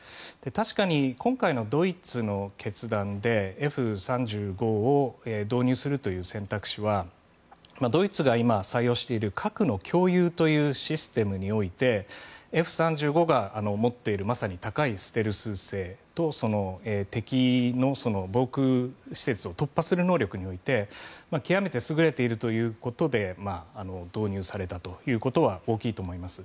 確かに今回のドイツの決断でＦ３５を導入するという選択肢はドイツが今、採用している核の共有というシステムにおいてＦ３５が持っているまさに高いステルス性とその敵の防空施設を突破する能力において極めて優れているということで導入されたということは大きいと思います。